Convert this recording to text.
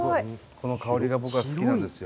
この香りが僕は好きなんですよ。